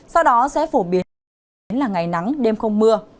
sau đó sẽ phổ biến là ngày nắng đêm không mưa